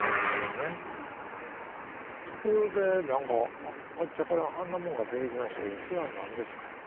ところで何かあっちゃからあんなもんが出てきましたけどこれは何ですか？